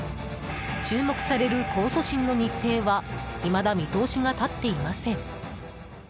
注目される控訴審の日程は未だ見通しが立っていません。